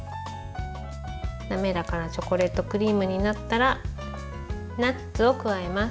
滑らかなチョコレートクリームになったらナッツを加えます。